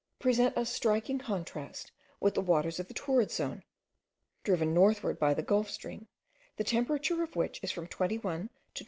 present a striking contrast with the waters of the torrid zone, driven northward by the Gulf stream, the temperature of which is from 21 to 22.